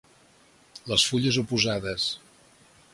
Les fulles oposades.